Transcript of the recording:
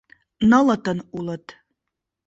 Нылытын улыт.